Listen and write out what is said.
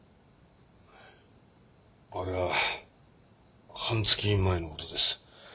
あれは半月前の事です。